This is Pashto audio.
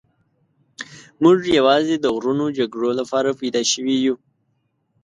موږ یوازې د غرونو جګړو لپاره پیدا شوي یو.